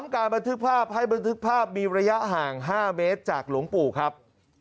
การบันทึกภาพให้บันทึกภาพมีระยะห่าง๕เมตรจากหลวงปู่ครับ